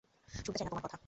শুনতে চাই না তোমার কথা।